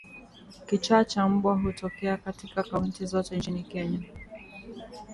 Kichaa cha mbwa hutokea katika kaunti zote nchini Kenya